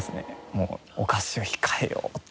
もうお菓子を控えようって。